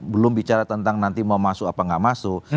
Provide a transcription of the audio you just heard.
belum bicara tentang nanti mau masuk apa nggak masuk